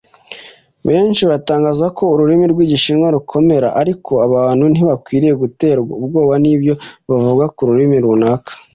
Benshi batangaza ko ururimi rw’ Igishinwa rukomera ariko abantu ntibakwiye guterwa ubwoba n’ibyo bavuga ku rurimi runaka